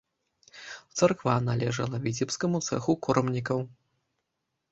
Царква належала віцебскаму цэху кормнікаў.